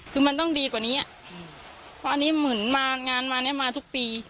คือมันต้องดีกว่านี้อ่ะเพราะอันนี้เหมือนมางานมาเนี้ยมาทุกปี